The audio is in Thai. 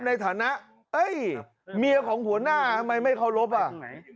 ในฐานะเอ้ยเมียของหัวหน้าทำไมไม่เคารพอ่ะ